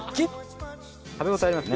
食べ応えありますね。